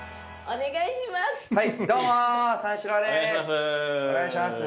お願いします。